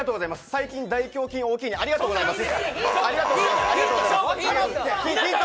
最近、大胸筋、大きいねありがとうございます。